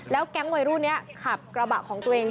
แก๊งวัยรุ่นนี้ขับกระบะของตัวเอง